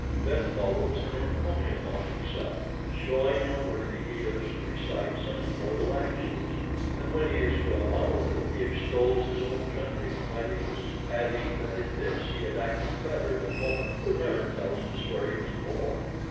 Then follows an encomium on himself, showing how worthy he is to recite such noble actions; and when he is got on a little, he extols his own country, Miletus, adding that in this he had acted better than Homer, who never tells us where he was born.